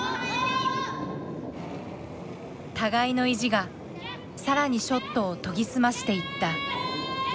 互いの意地が更にショットを研ぎ澄ましていった。